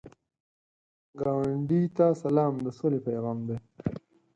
ګاونډي ته سلام، د سولې پیغام دی